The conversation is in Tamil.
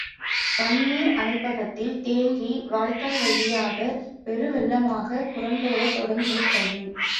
தண்ணீர் அணைப்பக்கத்தில் தேங்கி வாய்க்கால் வழியாகப் பெருவெள்ளமாகப் புரண்டோடத் தொடங்கி விட்டது.